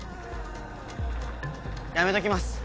やめときます